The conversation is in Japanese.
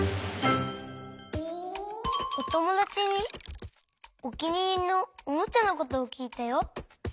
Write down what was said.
おともだちにおきにいりのおもちゃのことをきいたよ。